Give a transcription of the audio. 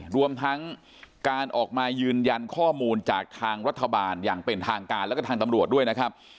รวมทั้งการออกมายืนยันข้อมูลจากทางรัฐบาลอย่างเป็นทางการแล้วก็ทางตำรวจด้วยนะครับ